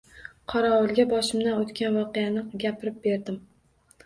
Qorovulga boshimdan o`tgan voqeani gapirib berdim